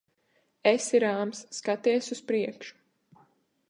Esi rāms. Skaties uz priekšu.